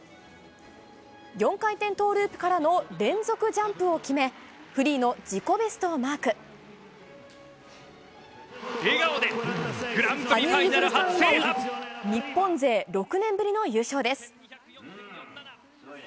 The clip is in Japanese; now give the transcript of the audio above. ４回転トーループからの連続ジャンプを決め、フリーの自己ベスト笑顔で、日本勢６年ぶりの優勝です。